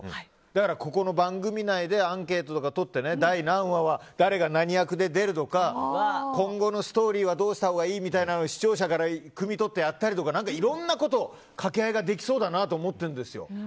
だから、ここの番組内でアンケートとか取って第何話は誰が何役で出るとか今後のストーリーはどうしたほうがいいみたいなのを視聴者からくみ取ってやったりとかいろんなことを掛け合いができそうだなと思ってるんですよ。